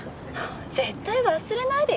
絶対忘れないでよ。